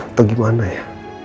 atau gimana ya